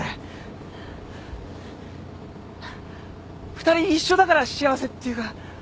２人一緒だから幸せっていうか。